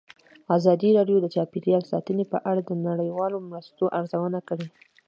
ازادي راډیو د چاپیریال ساتنه په اړه د نړیوالو مرستو ارزونه کړې.